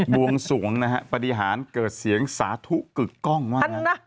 วงสวงนะฮะปฏิหารเกิดเสียงสาธุกึกกล้องว่างั้นนะ